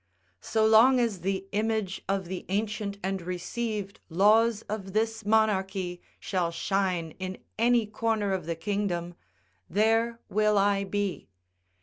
So long as the image of the ancient and received laws of this monarchy shall shine in any corner of the kingdom, there will I be.